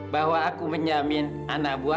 bahwa aku menyamin anak buahmu